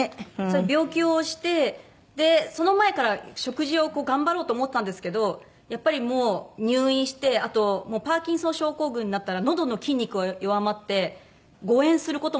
病気をしてその前から食事を頑張ろうと思ったんですけどやっぱりもう入院してあともうパーキンソン症候群になったらのどの筋肉が弱まって誤嚥する事も多くなったんで。